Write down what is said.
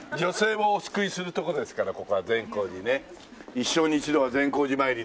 「一生に一度は善光寺詣り」でね。